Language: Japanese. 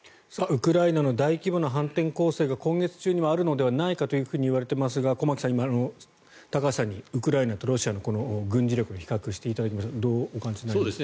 ウクライナの大規模な反転攻勢が今月中にもあるのではないかといわれていますが駒木さん高橋さんにウクライナとロシアのこの軍事力の比較をしていただきましたがどうお感じになりますか？